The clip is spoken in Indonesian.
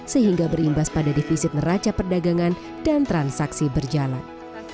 sehingga berimbas pada defisit neraca perdagangan dan transaksi berjalan